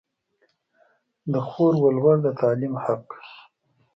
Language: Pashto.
د خور و لور د تعلیم حق